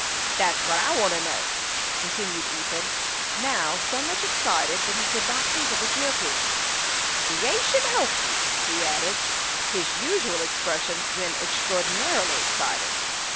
"That's what I want to know," continued Ethan, now so much excited that he could not think of his milking. "Creation hokee!" he added his usual expression when extraordinarily excited.